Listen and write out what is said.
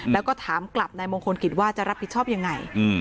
แล้วก็ถามกลับนายมงคลกิจว่าจะรับผิดชอบยังไง